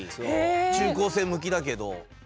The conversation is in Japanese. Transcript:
中高生向きだけど。